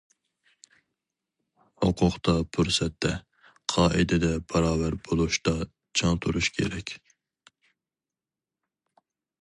ھوقۇقتا، پۇرسەتتە، قائىدىدە باراۋەر بولۇشتا چىڭ تۇرۇش كېرەك.